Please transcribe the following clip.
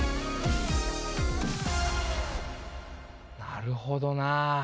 なるほどなあ。